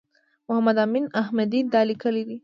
محمد امین احمدي دا لیکلي دي.